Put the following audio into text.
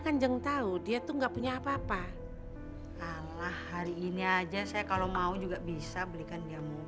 nanti saya belikan